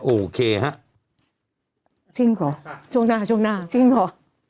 โอเคฮะจริงหรอช่วงหน้า